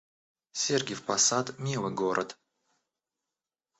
Сергиев Посад — милый город